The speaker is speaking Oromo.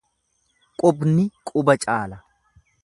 Qubni quba caala.